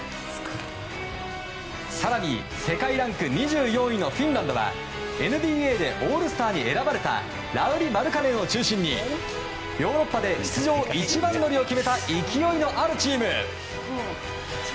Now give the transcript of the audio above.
更に、世界ランク２４位のフィンランドはＮＢＡでオールスターに選ばれたラウリ・マルカネンを中心にヨーロッパで出場一番乗りを決めた勢いのあるチーム。